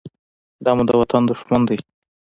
دا مو د وطن دښمن دى.